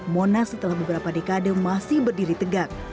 monas setelah beberapa dekade masih berdiri tegak